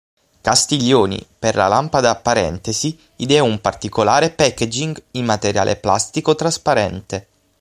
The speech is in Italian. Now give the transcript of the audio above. Castiglioni, per la lampada Parentesi ideò un particolare packaging in materiale plastico trasparente.